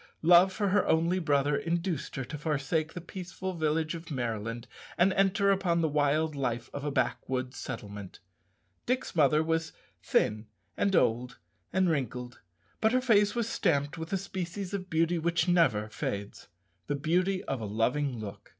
Love for her only brother induced her to forsake the peaceful village of Maryland and enter upon the wild life of a backwoods settlement. Dick's mother was thin, and old, and wrinkled, but her face was stamped with a species of beauty which never fades the beauty of a loving look.